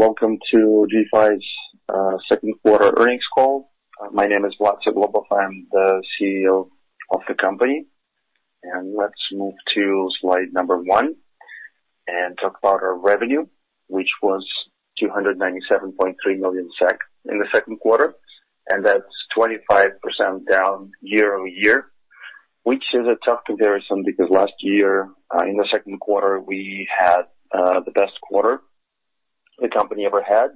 Welcome to G5's second quarter earnings call. My name is Vlad Suglobov, I'm the CEO of the company. Let's move to slide number one and talk about our revenue, which was 297.3 million SEK in the second quarter, and that's 25% down year-over-year, which is a tough comparison because last year, in the second quarter, we had the best quarter the company ever had.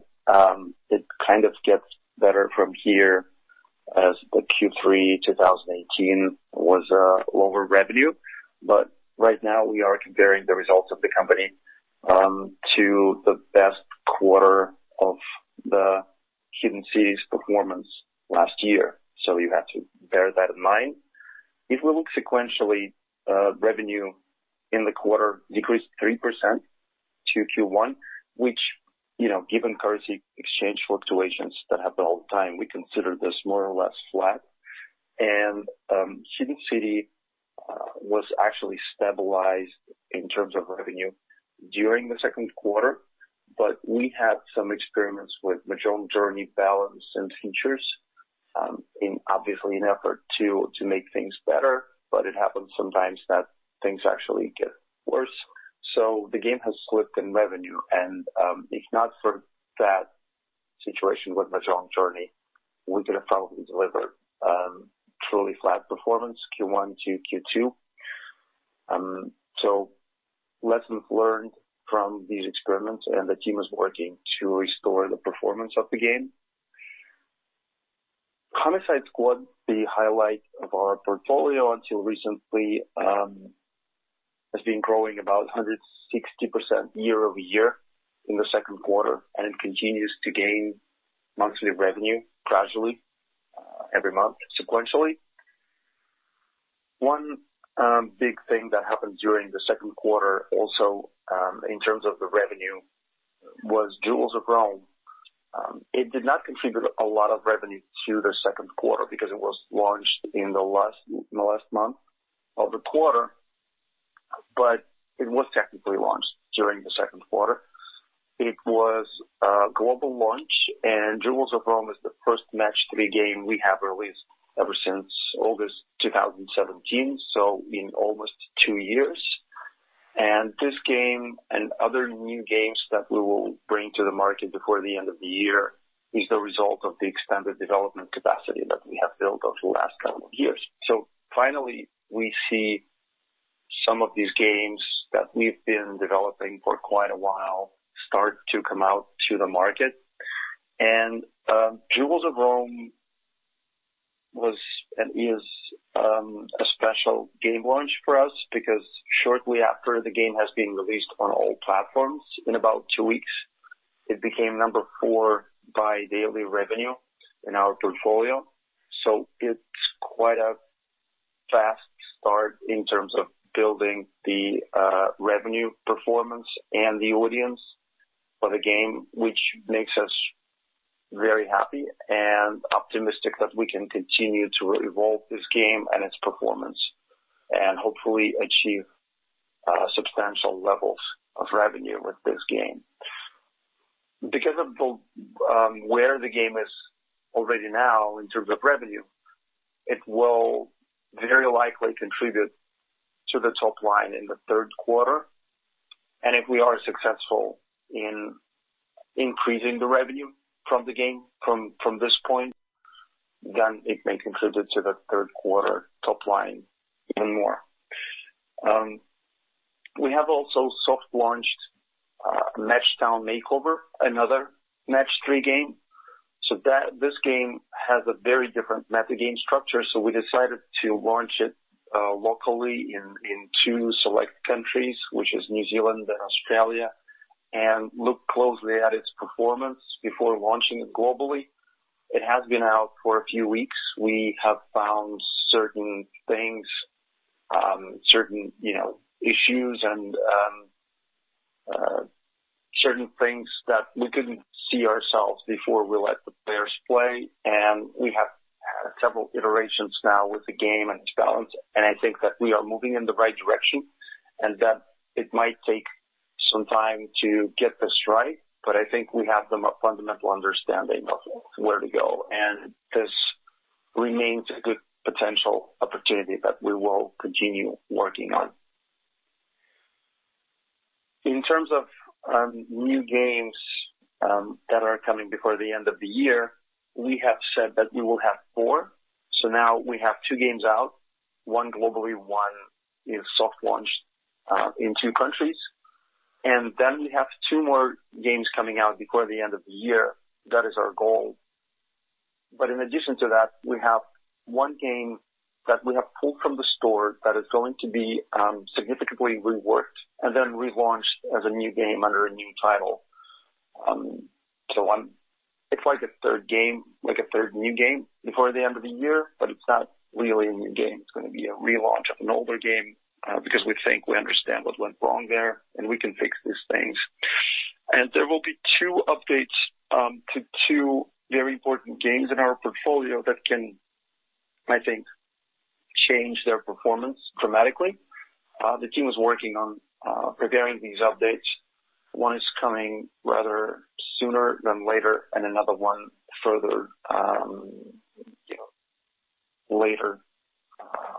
It kind of gets better from here as the Q3 2018 was a lower revenue. Right now we are comparing the results of the company to the best quarter of the Hidden City performance last year. You have to bear that in mind. If we look sequentially, revenue in the quarter decreased 3% to Q1, which given currency exchange fluctuations that happen all the time, we consider this more or less flat. Hidden City was actually stabilized in terms of revenue during the second quarter, but we had some experiments with Mahjong Journey balance and features, in obviously an effort to make things better, but it happens sometimes that things actually get worse. The game has slipped in revenue and, if not for that situation with Mahjong Journey, we could have probably delivered truly flat performance Q1 to Q2. Lessons learned from these experiments and the team is working to restore the performance of the game. Homicide Squad, the highlight of our portfolio until recently, has been growing about 160% year-over-year in the second quarter, and it continues to gain monthly revenue gradually, every month sequentially. One big thing that happened during the second quarter also, in terms of the revenue, was Jewels of Rome. It did not contribute a lot of revenue to the second quarter because it was launched in the last month of the quarter, but it was technically launched during the second quarter. It was a global launch. Jewels of Rome is the first match-3 game we have released ever since August 2017, so in almost two years. This game and other new games that we will bring to the market before the end of the year is the result of the expanded development capacity that we have built over the last couple of years. Finally, we see some of these games that we've been developing for quite a while start to come out to the market. Jewels of Rome was, and is, a special game launch for us because shortly after the game has been released on all platforms, in about two weeks, it became number 4 by daily revenue in our portfolio. It's quite a fast start in terms of building the revenue performance and the audience for the game, which makes us very happy and optimistic that we can continue to evolve this game and its performance, and hopefully achieve substantial levels of revenue with this game. Because of where the game is already now in terms of revenue, it will very likely contribute to the top line in the third quarter. If we are successful in increasing the revenue from the game from this point, then it may contribute to the third quarter top line even more. We have also soft launched Match Town Makeover, another Match 3 game. This game has a very different meta-game structure, we decided to launch it locally in two select countries, which is New Zealand and Australia, and look closely at its performance before launching it globally. It has been out for a few weeks. We have found certain things, certain issues and certain things that we couldn't see ourselves before we let the players play, and we have had several iterations now with the game and its balance, and I think that we are moving in the right direction and that it might take some time to get this right, but I think we have the fundamental understanding of where to go, and this remains a good potential opportunity that we will continue working on. In terms of new games that are coming before the end of the year, we have said that we will have four. Now we have two games out, one globally, one is soft launched in two countries. We have two more games coming out before the end of the year. That is our goal. In addition to that, we have one game that we have pulled from the store that is going to be significantly reworked and then relaunched as a new game under a new title. It's like a third new game before the end of the year, but it's not really a new game. It's going to be a relaunch of an older game, because we think we understand what went wrong there, and we can fix these things. There will be two updates to two very important games in our portfolio that can, I think, change their performance dramatically. The team is working on preparing these updates. One is coming rather sooner than later, and another one further later,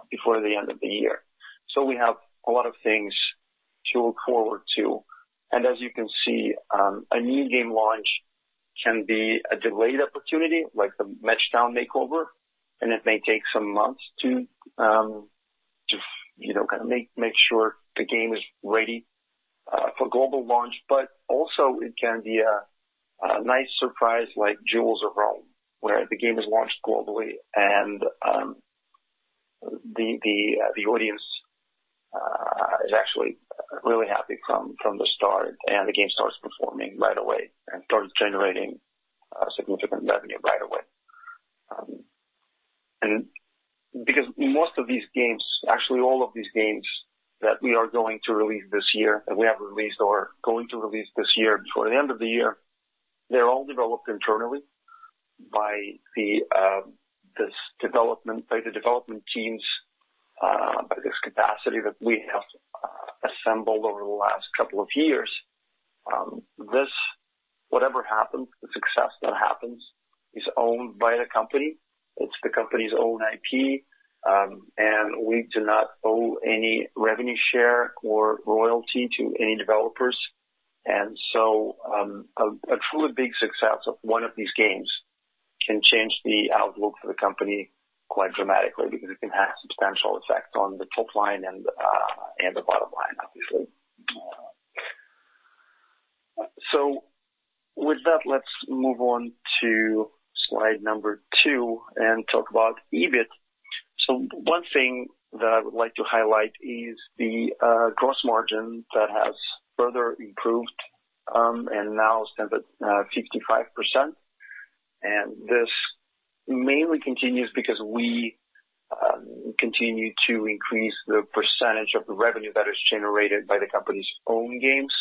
before the end of the year. We have a lot of things to look forward to. As you can see, a new game launch can be a delayed opportunity, like the Match Town Makeover, and it may take some months to make sure the game is ready for global launch. Also it can be a nice surprise, like Jewels of Rome, where the game is launched globally and the audience is actually really happy from the start, and the game starts performing right away and starts generating significant revenue right away. Because most of these games, actually all of these games that we are going to release this year, that we have released or going to release this year, before the end of the year, they're all developed internally by the development teams, by this capacity that we have assembled over the last couple of years. Whatever happens, the success that happens is owned by the company. It's the company's own IP, and we do not owe any revenue share or royalty to any developers. A truly big success of one of these games can change the outlook for the company quite dramatically because it can have substantial effect on the top line and the bottom line, obviously. With that, let's move on to slide number two and talk about EBIT. One thing that I would like to highlight is the gross margin that has further improved and now stands at 55%. This mainly continues because we continue to increase the % of the revenue that is generated by the company's own games.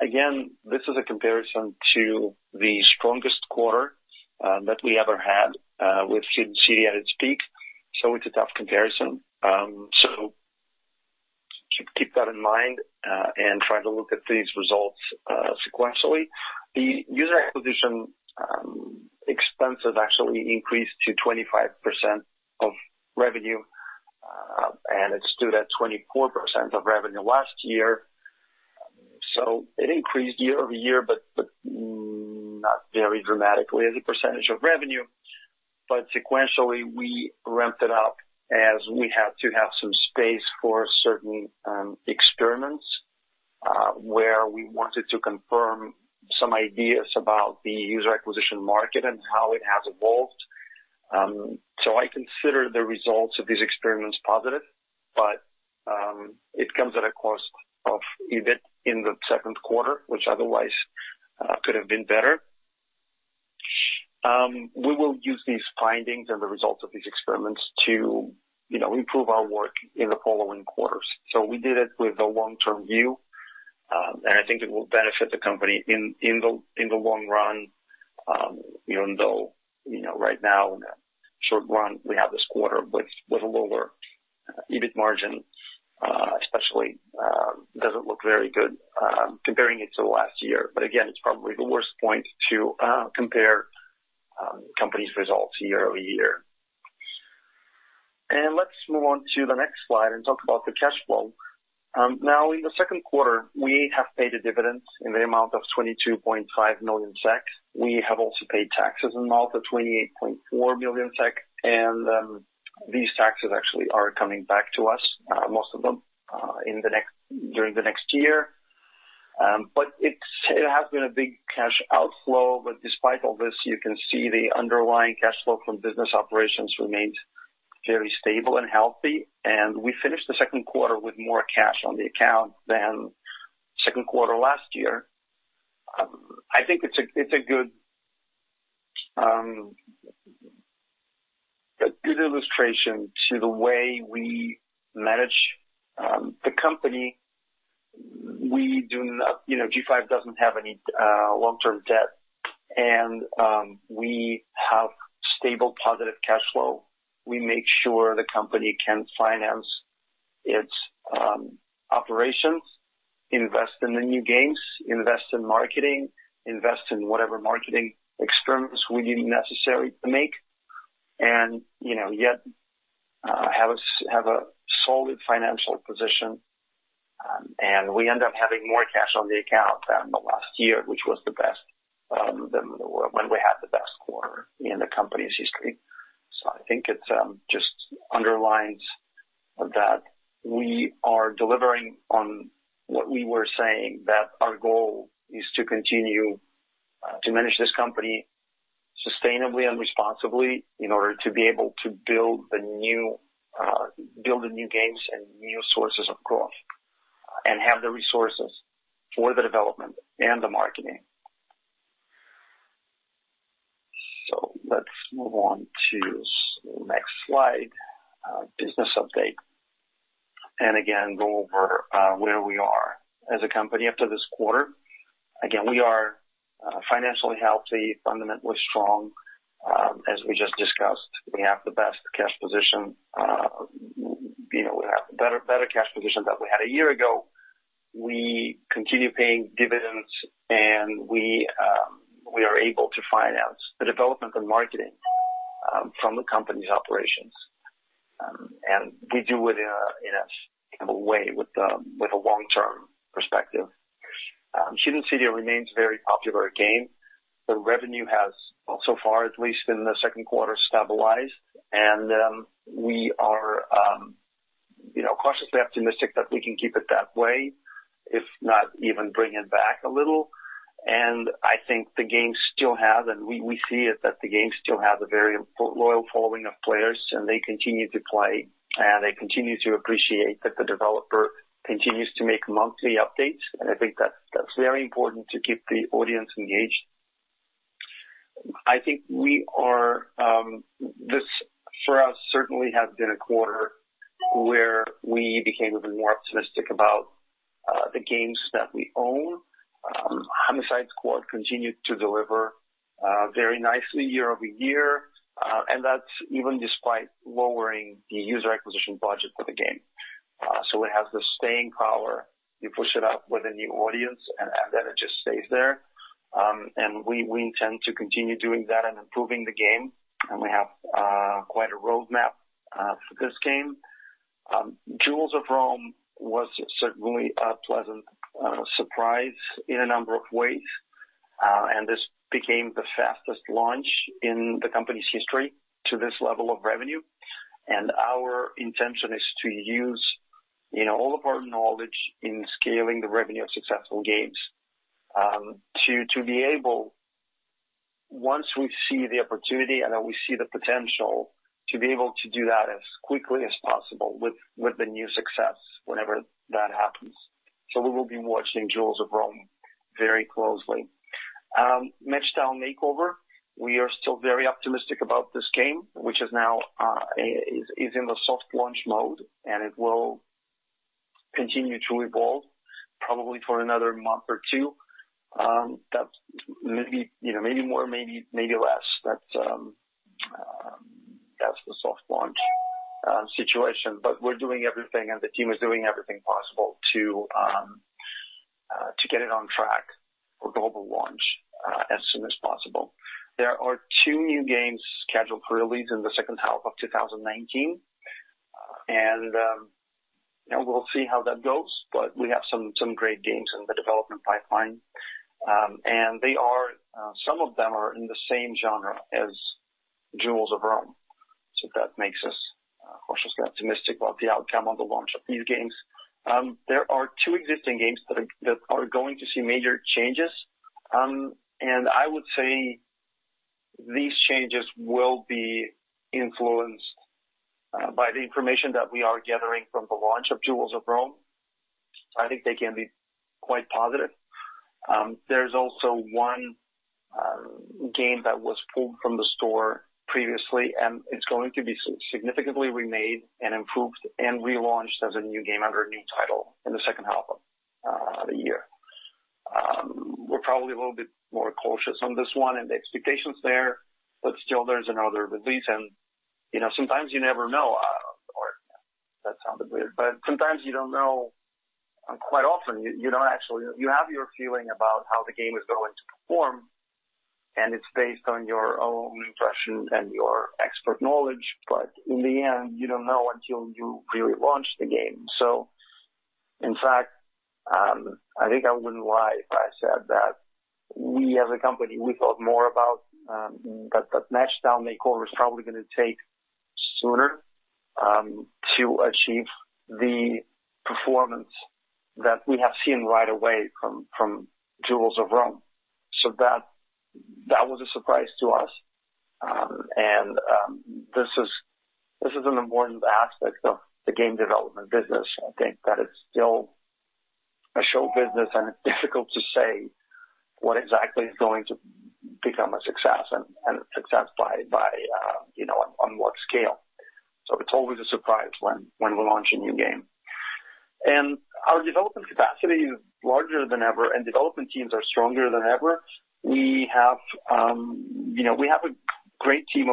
Again, this is a comparison to the strongest quarter that we ever had with Hidden City at its peak, so it's a tough comparison. Keep that in mind and try to look at these results sequentially. The user acquisition expenses actually increased to 25% of revenue, and it stood at 24% of revenue last year. It increased year-over-year, but not very dramatically as a % of revenue. Sequentially, we ramped it up as we had to have some space for certain experiments, where we wanted to confirm some ideas about the user acquisition market and how it has evolved. I consider the results of these experiments positive, but it comes at a cost of EBIT in the second quarter, which otherwise could have been better. We will use these findings and the results of these experiments to improve our work in the following quarters. We did it with the long-term view, and I think it will benefit the company in the long run, even though, right now in the short run, we have this quarter with a lower EBIT margin, especially, doesn't look very good comparing it to last year. Again, it's probably the worst point to compare company's results year-over-year. Let's move on to the next slide and talk about the cash flow. In the second quarter, we have paid a dividend in the amount of 22.5 million SEK. We have also paid taxes in the amount of 28.4 million SEK, these taxes actually are coming back to us, most of them, during the next year. It has been a big cash outflow, but despite all this, you can see the underlying cash flow from business operations remains very stable and healthy. We finished the second quarter with more cash on the account than second quarter last year. I think it's a good illustration to the way we manage the company. G5 doesn't have any long-term debt, and we have stable positive cash flow. We make sure the company can finance its operations, invest in the new games, invest in marketing, invest in whatever marketing experiments we deem necessary to make, and yet have a solid financial position. We end up having more cash on the account than last year, which was the best, when we had the best quarter in the company's history. I think it just underlines that we are delivering on what we were saying, that our goal is to continue to manage this company sustainably and responsibly in order to be able to build the new games and new sources of growth, and have the resources for the development and the marketing. Let's move on to next slide. Business update. Again, go over where we are as a company after this quarter. Again, we are financially healthy, fundamentally strong. As we just discussed, we have the best cash position. We have better cash position than we had a year ago. We continue paying dividends, and we are able to finance the development and marketing from the company's operations. We do it in a sustainable way with a long-term perspective. Hidden City remains a very popular game. The revenue has, so far, at least in the second quarter, stabilized, and we are cautiously optimistic that we can keep it that way, if not even bring it back a little. I think the game still has, and we see it, that the game still has a very loyal following of players, and they continue to play, and they continue to appreciate that the developer continues to make monthly updates. I think that's very important to keep the audience engaged. I think this for us certainly has been a quarter where we became even more optimistic about the games that we own. Homicide Squad continued to deliver very nicely year-over-year, and that's even despite lowering the user acquisition budget for the game. It has the staying power. You push it up with a new audience, and then it just stays there. We intend to continue doing that and improving the game, and we have quite a roadmap for this game. Jewels of Rome was certainly a pleasant surprise in a number of ways. This became the fastest launch in the company's history to this level of revenue. Our intention is to use all of our knowledge in scaling the revenue of successful games, to be able, once we see the opportunity and then we see the potential, to be able to do that as quickly as possible with the new success whenever that happens. We will be watching Jewels of Rome very closely. Match Town Makeover, we are still very optimistic about this game, which is now in the soft launch mode, and it will continue to evolve probably for another month or two. That's maybe more, maybe less. That's the soft launch situation. We're doing everything, and the team is doing everything possible to get it on track for global launch as soon as possible. There are two new games scheduled for release in the second half of 2019, and we'll see how that goes, but we have some great games in the development pipeline. Some of them are in the same genre as Jewels of Rome, so that makes us cautiously optimistic about the outcome of the launch of these games. There are two existing games that are going to see major changes. I would say these changes will be influenced by the information that we are gathering from the launch of Jewels of Rome. I think they can be quite positive. There's also one game that was pulled from the store previously, and it's going to be significantly remade and improved and relaunched as a new game under a new title in the second half of the year. We're probably a little bit more cautious on this one and the expectations there, but still there's another release and sometimes you never know. That sounded weird, but sometimes you don't know, quite often, you have your feeling about how the game is going to perform, and it's based on your own impression and your expert knowledge. In the end, you don't know until you really launch the game. In fact, I think I wouldn't lie if I said that we as a company, we thought more about that Match Town Makeover is probably going to take sooner, to achieve the performance that we have seen right away from Jewels of Rome. That was a surprise to us. This is an important aspect of the game development business. I think that it's still a show business, and it's difficult to say what exactly is going to become a success, and a success on what scale. It's always a surprise when we launch a new game. Our development capacity is larger than ever, and development teams are stronger than ever. We have a great team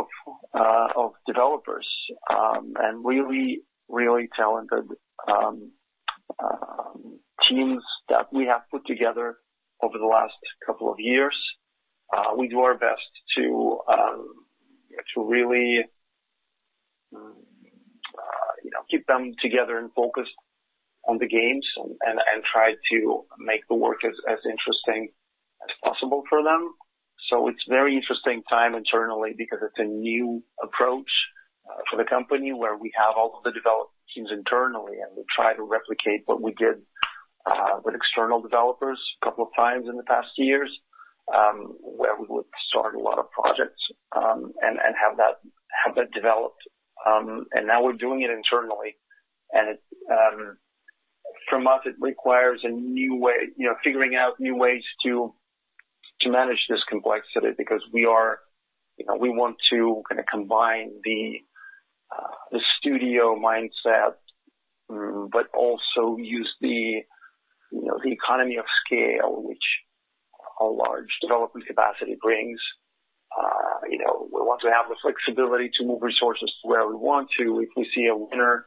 of developers, and really talented teams that we have put together over the last couple of years. We do our best to really keep them together and focused on the games and try to make the work as interesting as possible for them. It's very interesting time internally because it's a new approach for the company where we have all of the development teams internally, and we try to replicate what we did with external developers a couple of times in the past years, where we would start a lot of projects, and have that developed. Now we're doing it internally, From us, it requires figuring out new ways to manage this complexity because we want to combine the studio mindset, but also use the economy of scale, which a large development capacity brings. We want to have the flexibility to move resources to where we want to if we see a winner.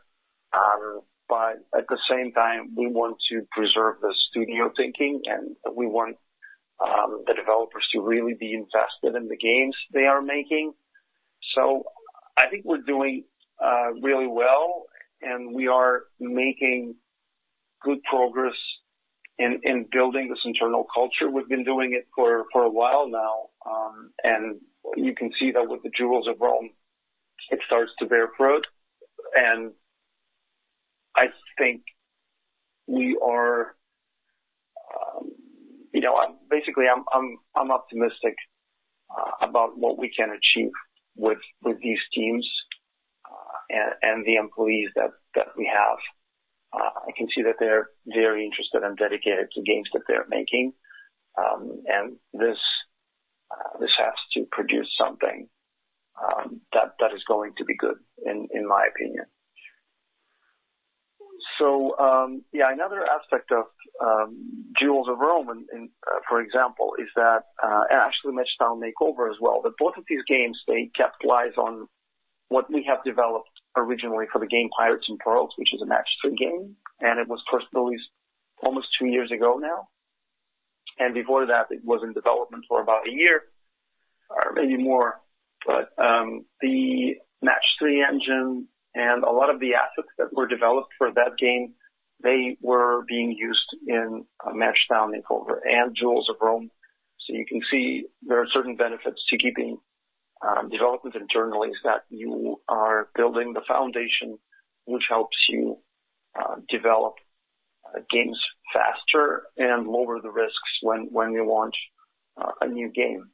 At the same time, we want to preserve the studio thinking, and we want the developers to really be invested in the games they are making. I think we're doing really well, and we are making good progress in building this internal culture. We've been doing it for a while now, and you can see that with the "Jewels of Rome," it starts to bear fruit. I think, basically, I'm optimistic about what we can achieve with these teams and the employees that we have. I can see that they're very interested and dedicated to games that they're making. This has to produce something that is going to be good in my opinion. Another aspect of "Jewels of Rome," for example, is that, and actually "Match Town Makeover" as well, but both of these games, they capitalize on what we have developed originally for the game "Pirates & Pearls," which is a Match 3 game, and it was first released almost 2 years ago now. Before that, it was in development for about 1 year or maybe more. The Match 3 engine and a lot of the assets that were developed for that game, they were being used in "Match Town Makeover" and "Jewels of Rome." You can see there are certain benefits to keeping development internal, is that you are building the foundation which helps you develop games faster and lower the risks when you launch a new game.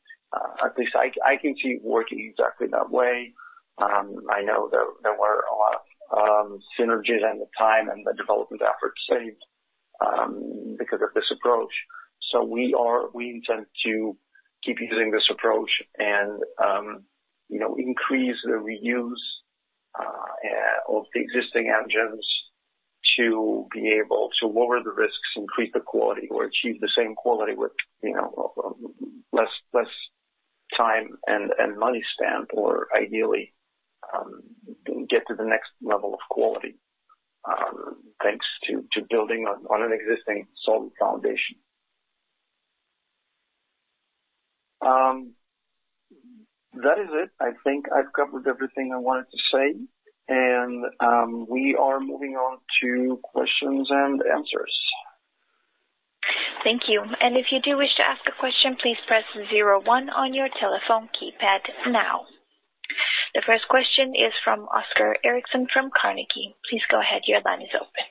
At least I can see it working exactly that way. I know there were a lot of synergies and the time and the development efforts saved because of this approach. We intend to keep using this approach and increase the reuse of the existing engines to be able to lower the risks, increase the quality, or achieve the same quality with less time and money spent, or ideally, get to the next level of quality, thanks to building on an existing solid foundation. That is it. I think I've covered everything I wanted to say. We are moving on to questions and answers. Thank you. If you do wish to ask a question, please press zero one on your telephone keypad now. The first question is from Oscar Erixon from Carnegie. Please go ahead. Your line is open.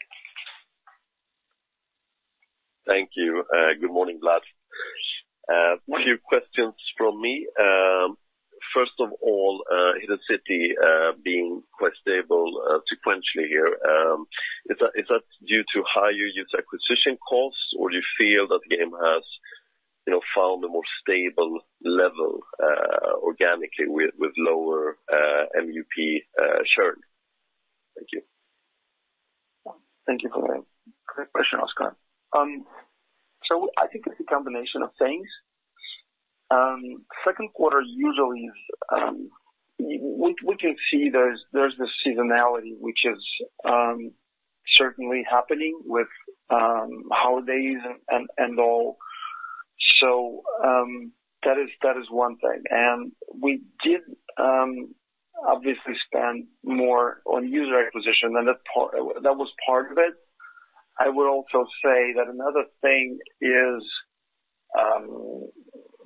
Thank you. Good morning, Vlad. Morning. A few questions from me. First of all, "Hidden City" being quite stable sequentially here, is that due to higher user acquisition costs, or do you feel that the game has found a more stable level organically with lower MAU churn? Thank you. Thank you for that question, Oscar. I think it's a combination of things. second quarter usually, we can see there's this seasonality, which is certainly happening with holidays and all. That is one thing. We did obviously spend more on user acquisition, and that was part of it. I would also say that another thing is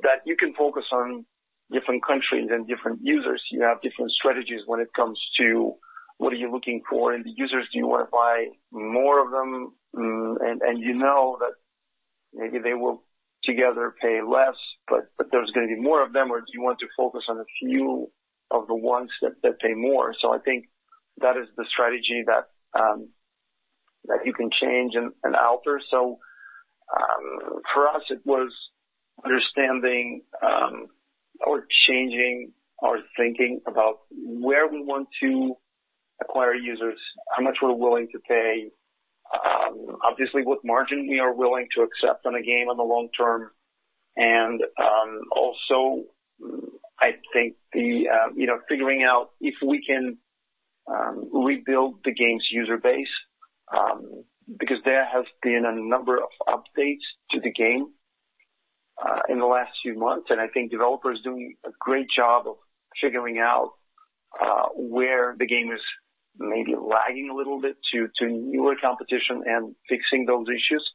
that you can focus on different countries and different users. You have different strategies when it comes to what are you looking for in the users. Do you want to buy more of them? You know that maybe they will together pay less, but there's going to be more of them, or do you want to focus on a few of the ones that pay more? I think that is the strategy that you can change and alter. For us, it was understanding or changing our thinking about where we want to acquire users, how much we're willing to pay, obviously what margin we are willing to accept on a game in the long term, and also I think figuring out if we can rebuild the game's user base, because there have been a number of updates to the game in the last few months, and I think developers are doing a great job of figuring out where the game is maybe lagging a little bit to newer competition and fixing those issues.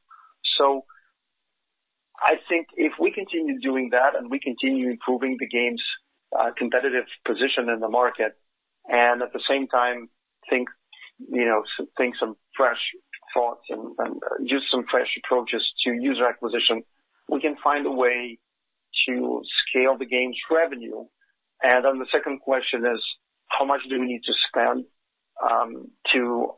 I think if we continue doing that and we continue improving the game's competitive position in the market, and at the same time think some fresh thoughts and use some fresh approaches to user acquisition, we can find a way to scale the game's revenue. The second question is how much do we need to spend to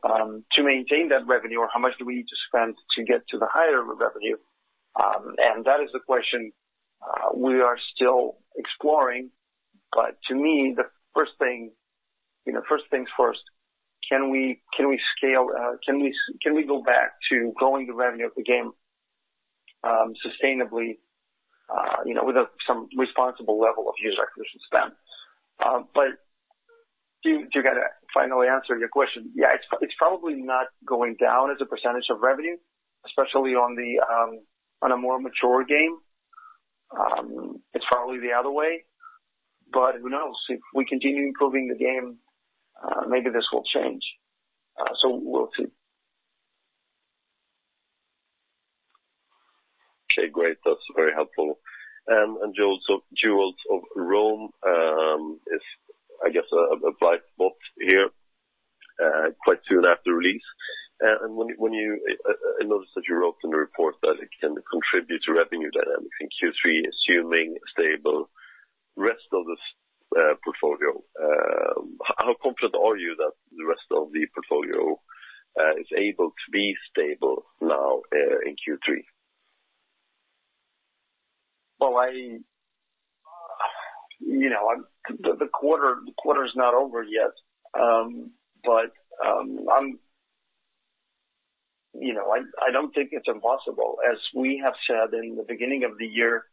maintain that revenue, or how much do we need to spend to get to the higher revenue? That is the question we are still exploring. To me, the first things first, can we go back to growing the revenue of the game sustainably with some responsible level of user acquisition spend? To finally answer your question, yeah, it's probably not going down as a % of revenue, especially on a more mature game. It's probably the other way, but who knows? If we continue improving the game, maybe this will change. We'll see. Okay, great. That's very helpful. "Jewels of Rome" is, I guess, a bright spot here quite soon after release. I noticed that you wrote in the report that it can contribute to revenue dynamics in Q3, assuming stable rest of this portfolio. How confident are you that the rest of the portfolio is able to be stable now in Q3? Well, the quarter is not over yet. I don't think it's impossible. As we have said in the beginning of the year,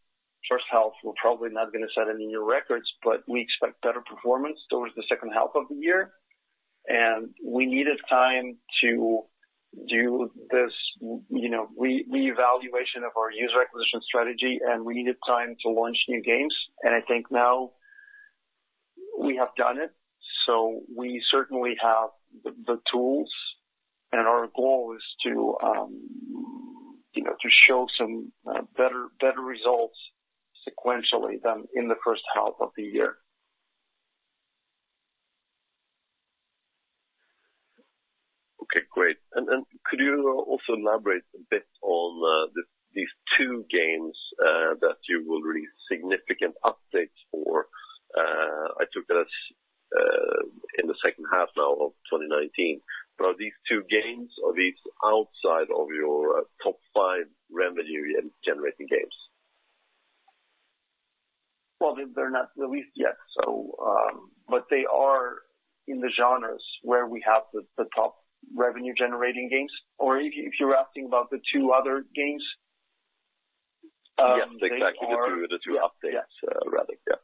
first half, we're probably not going to set any new records, but we expect better performance towards the second half of the year. We needed time to do this reevaluation of our user acquisition strategy, and we needed time to launch new games. I think now we have done it, we certainly have the tools, and our goal is to show some better results sequentially than in the first half of the year. Okay, great. Could you also elaborate a bit on these two games that you will release significant updates for? I took it as in the second half now of 2019. Are these two games, or these outside of your top five revenue-generating games? Well, they're not released yet, but they are in the genres where we have the top revenue-generating games. If you're asking about the two other games? Yes, exactly. The two updates rather, yeah.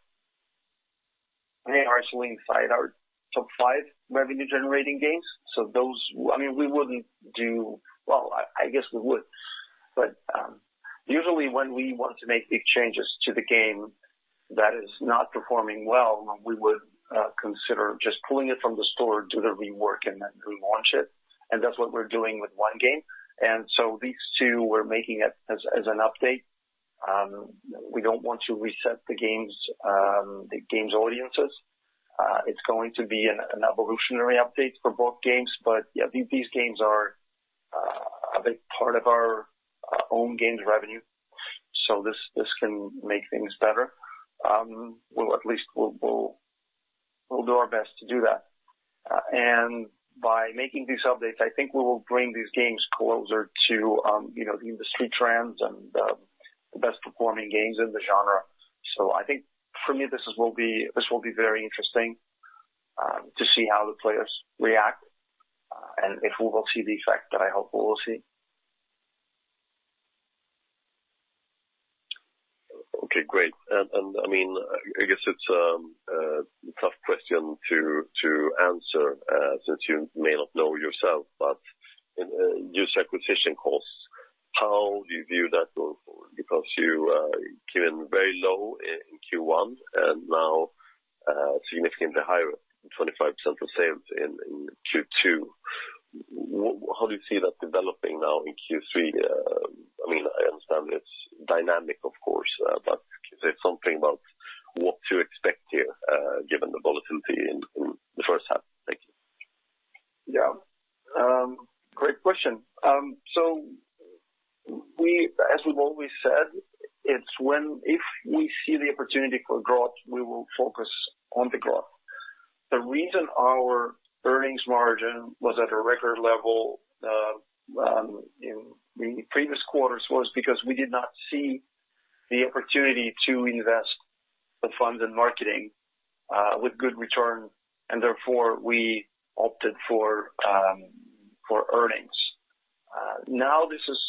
They are actually inside our top five revenue-generating games. Those, we wouldn't do Well, I guess we would, but usually when we want to make big changes to the game that is not performing well, we would consider just pulling it from the store, do the rework, and then relaunch it. That's what we're doing with one game. These two, we're making it as an update. We don't want to reset the game's audiences. It's going to be an evolutionary update for both games. Yeah, these games are a big part of our own games revenue, so this can make things better. Well, at least we'll do our best to do that. By making these updates, I think we will bring these games closer to the industry trends and the best-performing games in the genre. I think for me, this will be very interesting to see how the players react and if we will see the effect that I hope we will see. Okay, great. I guess it's a tough question to answer, since you may not know yourself, but user acquisition costs, how do you view that going forward? You came in very low in Q1 and now significantly higher, 25% or so in Q2. How do you see that developing now in Q3? I understand it's dynamic, of course, but is there something about what to expect here, given the volatility in the first half? Thank you. Yeah. Great question. As we've always said, it's when if we see the opportunity for growth, we will focus on the growth. The reason our earnings margin was at a record level in the previous quarters was because we did not see the opportunity to invest the funds in marketing with good return, and therefore we opted for earnings. This is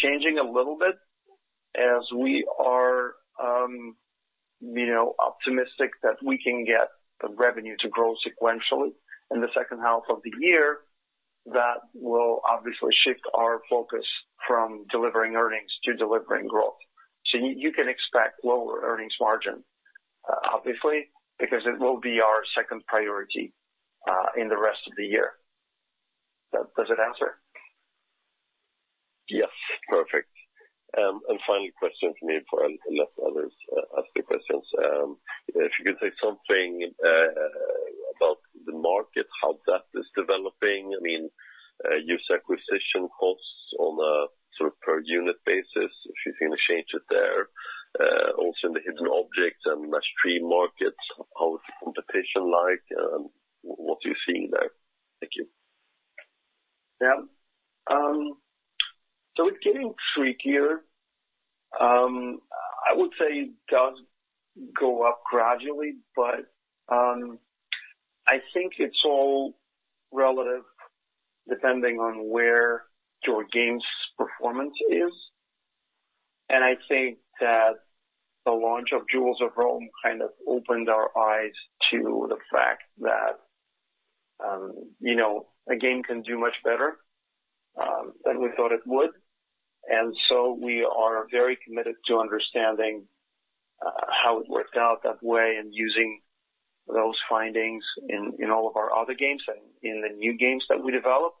changing a little bit as we are optimistic that we can get the revenue to grow sequentially in the second half of the year. That will obviously shift our focus from delivering earnings to delivering growth. You can expect lower earnings margin, obviously, because it will be our second priority in the rest of the year. Does it answer? Yes. Perfect. Final question from me before I let others ask their questions. If you could say something about the market, how that is developing. User acquisition costs on a per unit basis, if you've seen a change there. Also in the Hidden Objects and Match 3 markets, how is the competition like, and what are you seeing there? Thank you. Yeah. It's getting trickier. I would say it does go up gradually, but I think it's all relative depending on where your game's performance is. I think that the launch of Jewels of Rome kind of opened our eyes to the fact that a game can do much better than we thought it would. We are very committed to understanding how it worked out that way and using those findings in all of our other games and in the new games that we develop.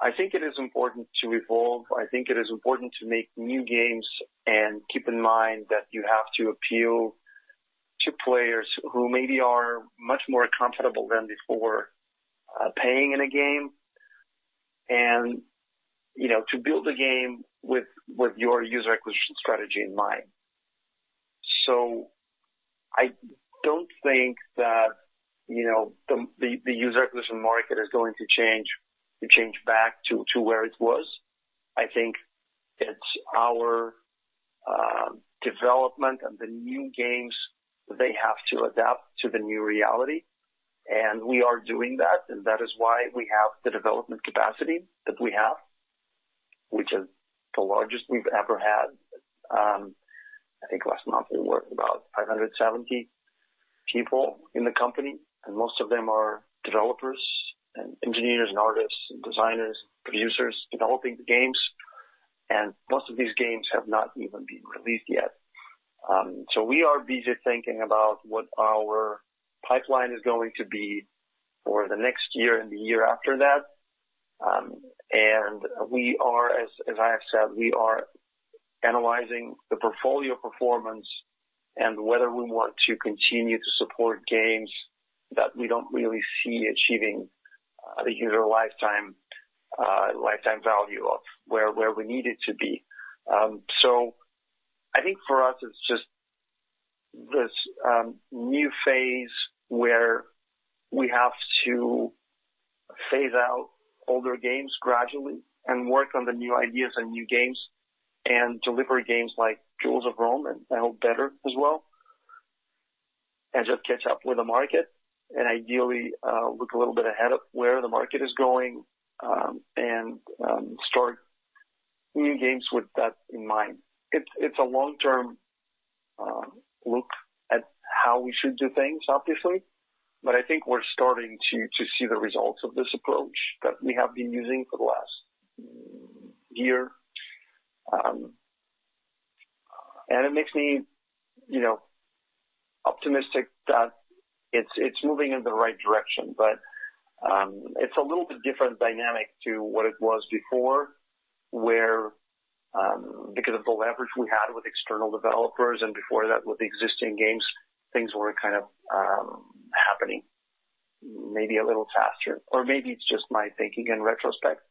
I think it is important to evolve. I think it is important to make new games and keep in mind that you have to appeal to players who maybe are much more comfortable than before paying in a game. To build a game with your user acquisition strategy in mind. I don't think that the user acquisition market is going to change back to where it was. I think it's our development and the new games, they have to adapt to the new reality. We are doing that, and that is why we have the development capacity that we have, which is the largest we've ever had. I think last month we were about 570 people in the company, and most of them are developers and engineers and artists and designers, producers developing the games. Most of these games have not even been released yet. We are busy thinking about what our pipeline is going to be for the next year and the year after that. We are, as I have said, we are analyzing the portfolio performance and whether we want to continue to support games that we don't really see achieving the user lifetime value of where we need it to be. I think for us, it's just this new phase where we have to phase out older games gradually and work on the new ideas and new games, and deliver games like Jewels of Rome and I hope better as well, and just catch up with the market and ideally look a little bit ahead of where the market is going, and start new games with that in mind. It's a long-term look at how we should do things, obviously, but I think we're starting to see the results of this approach that we have been using for the last year. It makes me optimistic that it's moving in the right direction. It's a little bit different dynamic to what it was before, where because of the leverage we had with external developers and before that with the existing games, things were kind of happening maybe a little faster, or maybe it's just my thinking in retrospect.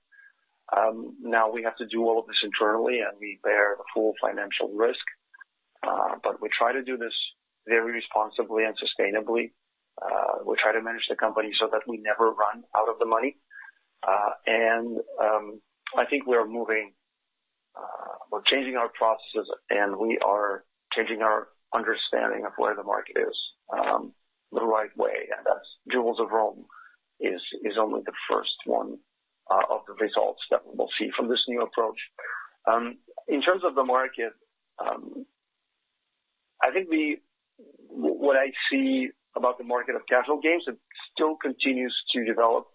Now we have to do all of this internally, we bear the full financial risk, but we try to do this very responsibly and sustainably. We try to manage the company so that we never run out of the money. I think we are moving or changing our processes, we are changing our understanding of where the market is the right way, and that Jewels of Rome is only the first one of the results that we will see from this new approach. In terms of the market, I think what I see about the market of casual games, it still continues to develop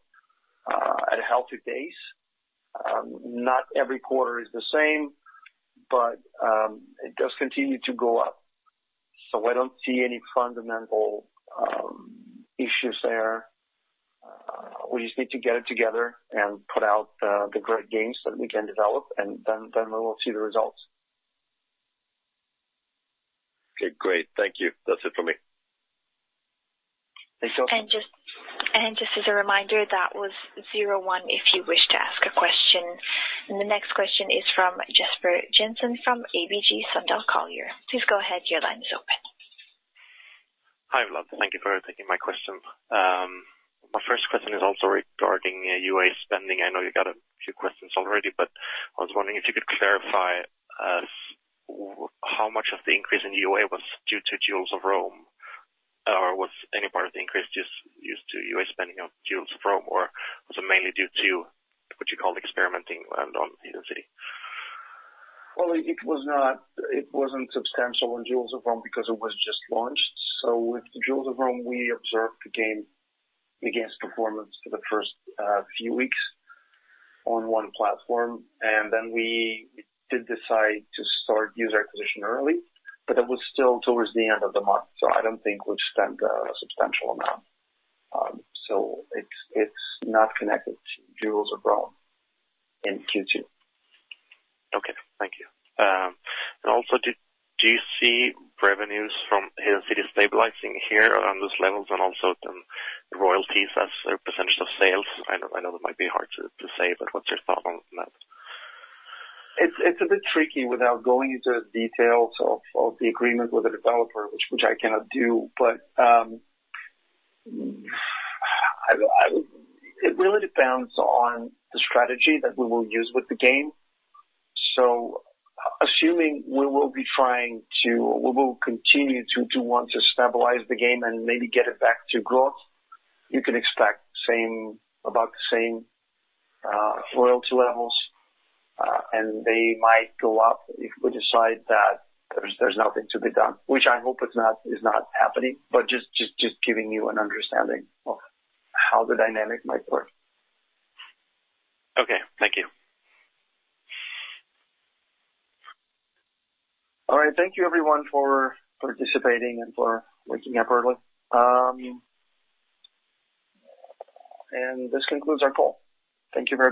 at a healthy pace. Not every quarter is the same, but it does continue to go up. I don't see any fundamental issues there. We just need to get it together and put out the great games that we can develop, and then we will see the results. Okay, great. Thank you. That's it from me. Thanks Oscar. Just as a reminder, that was zero one if you wish to ask a question. The next question is from Jesper Birch-Jensen from ABG Sundal Collier. Please go ahead. Your line is open. Hi, Vlad. Thank you for taking my question. My first question is also regarding UA spending. I know you got a few questions already, but I was wondering if you could clarify how much of the increase in UA was due to Jewels of Rome, or was any part of the increase just used to UA spending on Jewels of Rome, or was it mainly due to what you call experimenting around on Hidden City? It wasn't substantial on Jewels of Rome because it was just launched. With Jewels of Rome, we observed the game's performance for the first few weeks on one platform, and then we did decide to start user acquisition early, but it was still towards the end of the month, so I don't think we've spent a substantial amount. It's not connected to Jewels of Rome in Q2. Okay. Thank you. Also, do you see revenues from Hidden City stabilizing here on those levels and also the royalties as a % of sales? I know it might be hard to say, but what's your thought on that? It's a bit tricky without going into details of the agreement with the developer, which I cannot do, but it really depends on the strategy that we will use with the game. Assuming we will continue to want to stabilize the game and maybe get it back to growth, you can expect about the same royalty levels, and they might go up if we decide that there's nothing to be done, which I hope is not happening, but just giving you an understanding of how the dynamic might work. Okay. Thank you. All right. Thank you everyone for participating and for waking up early. This concludes our call. Thank you very much.